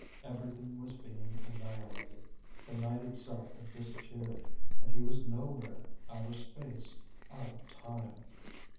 Everything was being annihilated; the night itself had disappeared, and he was nowhere, out of space, out of time.